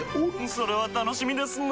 それは楽しみですなぁ。